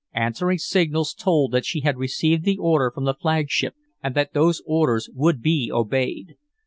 Answering signals told that she had received the order from the flagship, and that those orders would be obeyed.